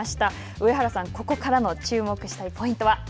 上原さん、ここからの注目したいポイントは？